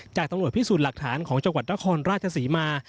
จากตำรวจพิสูจน์หลักฐานของจังหวัดนครราชศรีมา